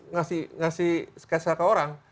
mengasih sketsa ke orang